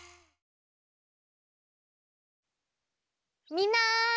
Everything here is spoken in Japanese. みんな！